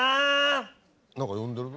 何か呼んでる。